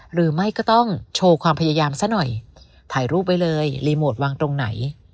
หรือไม่ก็ต้องโชว์ความพยายามซะหน่อยถ่ายรูปไว้เลยรีโมทวางตรงไหน